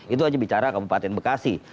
itu hanya bicara kabupaten bekasi